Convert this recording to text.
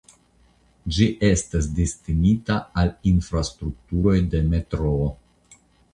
Ĝi estas destinita al infrastrukturoj de metroo.